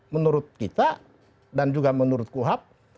menurut kita dan juga menurut kuhap